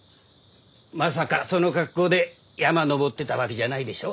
まさかその格好で山登ってたわけじゃないでしょ？